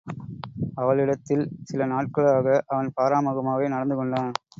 அவளிடத் தில் சில நாள்களாக அவன் பாராமுகமாகவே நடந்து கொண்டான்.